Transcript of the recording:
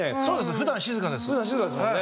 普段静かですもんね。